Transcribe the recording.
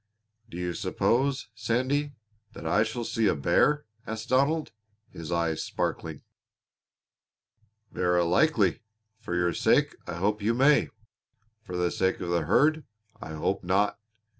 "Do you suppose, Sandy, that I shall see a bear?" asked Donald, his eyes sparkling. "Verra likely. For your sake I hope you may; for the sake of the herd I hope not.